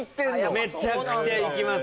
めちゃくちゃ行きます。